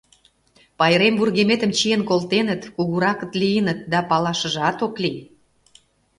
Пайрем вургеметым чиен колтеныт, кугуракат лийыныт, да палашыжат ок лий.